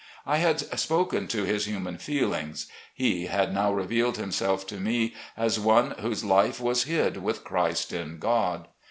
I had spoken to his human feelings; he had now revealed himself to me as one 'whose life was hid with Christ in God.